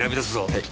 はい。